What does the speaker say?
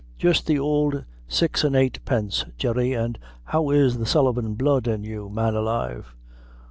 "Jist the ould six an' eight pence, Jerry; an' how is the Sullivan blood in you, man alive?